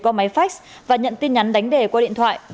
qua máy fax và nhận tin nhắn đánh đề qua điện thoại